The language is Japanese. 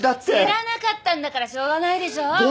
知らなかったんだからしょうがないでしょ！